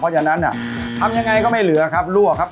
เพราะฉะนั้นทำยังไงก็ไม่เหลือครับรั่วครับ